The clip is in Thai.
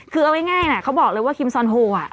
คือเอาง่ายนะเขาบอกเลยว่าคิมซอนโฮ